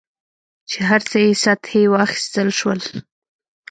چې هر څه یې سطحي واخیستل شول.